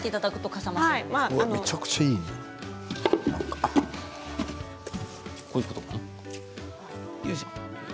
これ、めちゃくちゃいい。